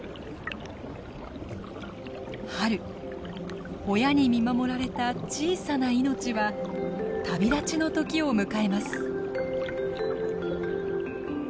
春親に見守られた小さな命は旅立ちの時を迎えます。